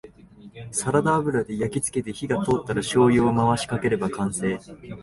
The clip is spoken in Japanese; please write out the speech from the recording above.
サラダ油で焼きつけて火が通ったらしょうゆを回しかければ完成